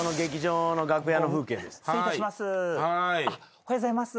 おはようございます。